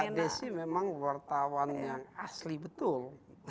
mbak desi memang wartawan yang asli betul